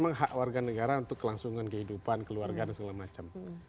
memang hak warga negara untuk kelangsungan kehidupan keluarga dan segala macam